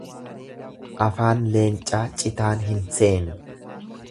Afaan leencaa citaan hin seenu.